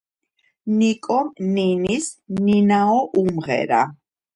ნიკომ ნინის ნინაო უმღერა